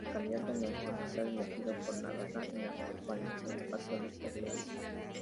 Candidato en las resultó elegido por Navarra en la coalición católico-fuerista.